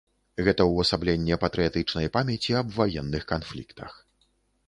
Гэта ўвасабленне патрыятычнай памяці аб ваенных канфліктах.